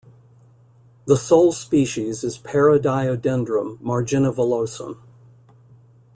The sole species is Parodiodendron marginivillosum.